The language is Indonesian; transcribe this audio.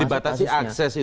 dibatasi akses itu